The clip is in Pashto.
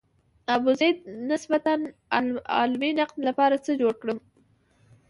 د ابوزید د نسبتاً علمي نقد لپاره څه جوړ کړم.